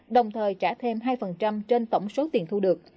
đồng thời trả thêm hai trên tổng số tiền thu được